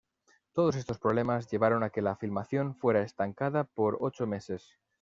Todos estos problemas llevaron a que la filmación fuera estancada por ocho meses.